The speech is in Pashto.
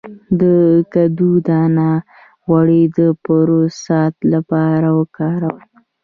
د کدو دانه غوړي د پروستات لپاره وکاروئ